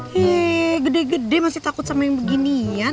heee gede gede masih takut sama yang beginian